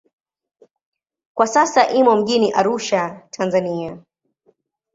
Kwa sasa imo mjini Arusha, Tanzania.